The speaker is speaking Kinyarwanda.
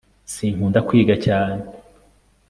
sinkunda kwiga cyane